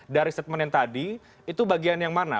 dari statement yang tadi itu bagian yang mana